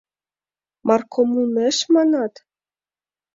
«Маркоммунеш», манат?